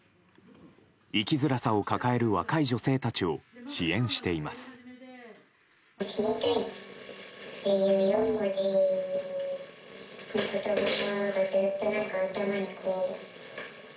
生きづらさを抱える若い女性たちを支援しています。